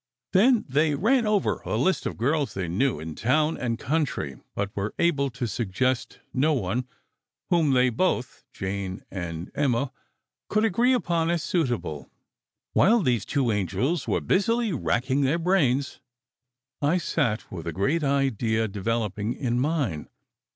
Then they ran over a list of the girls they knew, in town and country, but were able to suggest no one whom they both Jane and Emma could agree upon as suitable. While these two angels were busily racking their brains, I sat with a great idea developing in mine.